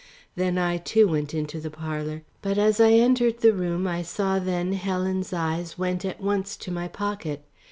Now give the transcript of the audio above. Then I, too, went into the parlour. But as I entered the room I saw then Helen's eyes went at once to my pocket.